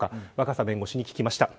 若狭弁護士に聞きました。